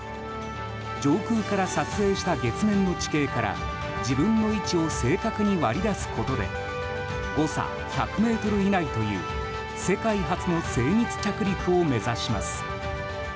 上空から撮影した月面の地形から自分の位置を正確に割り出すことで誤差１００ｍ以内という世界初の精密着陸を目指します。